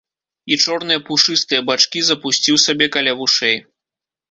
І чорныя пушыстыя бачкі запусціў сабе каля вушэй.